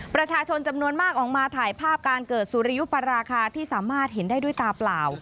ประชาชนจำนวนมากออกมาถ่ายภาพการเกิดสุริยุปราคาที่สามารถเห็นได้ด้วยตาเปล่า